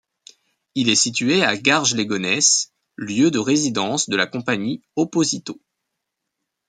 Il est situé à Garges-lès-Gonesse, lieu de résidence de la Compagnie Oposito.